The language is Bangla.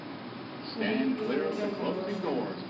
বিট্টু এটা ভালোবাসা না।